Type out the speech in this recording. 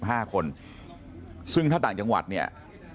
พตรพูดถึงเรื่องนี้ยังไงลองฟังกันหน่อยค่ะ